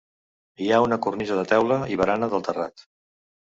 Hi ha una cornisa de teula i barana del terrat.